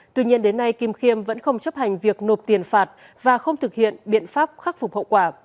tuy nhiên đến nay kim khiêm vẫn không chấp hành việc nộp tiền phạt và không thực hiện biện pháp khắc phục hậu quả